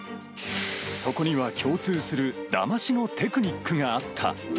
そこには共通するだましのテクニックがあった。